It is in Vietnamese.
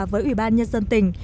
với ủy ban nhân dân tỉnh